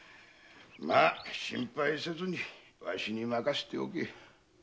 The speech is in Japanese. まあ心配せずにわしに任せておけ。